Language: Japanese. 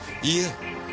いいえ。